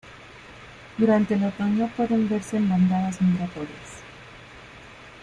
Durante el otoño pueden verse en bandadas migratorias.